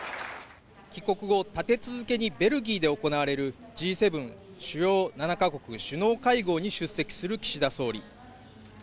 帰国後、立て続けにベルギーで行われるＧ７＝主要７か国首脳会合に出席する岸田総理。